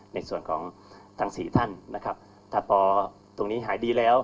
ในส่วนของทั้งสี่ท่านนะครับถ้าพอตรงนี้หายดีแล้ว